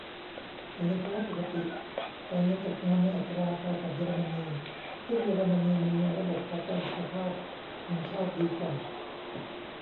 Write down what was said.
แต่ในภาวะปกติจ่ายเงินตกงานในอัตราพอกับเยอรมนี ซึ่งเยอรมนีมีระบบประกันสุขภาพแห่งชาติดีกว่า